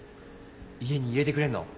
家に入れてくれんの？